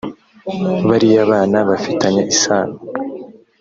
bariya bana bafitanye isano